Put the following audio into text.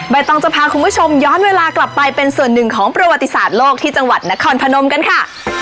ต้องจะพาคุณผู้ชมย้อนเวลากลับไปเป็นส่วนหนึ่งของประวัติศาสตร์โลกที่จังหวัดนครพนมกันค่ะ